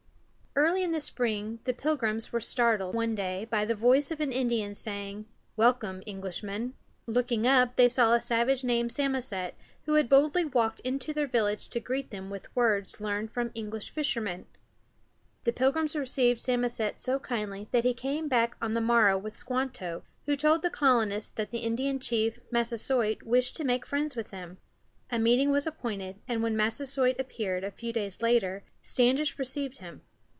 Early in the spring the Pilgrims were startled, one day, by the voice of an Indian saying: "Welcome, Englishmen." Looking up, they saw a savage named Sam´o set, who had boldly walked into their village to greet them with words learned from English fishermen. The Pilgrims received Samoset so kindly that he came back on the morrow with Squanto, who told the colonists that the Indian chief Mas´sa soit wished to make friends with them. A meeting was appointed, and when Massasoit appeared, a few days later, Standish received him.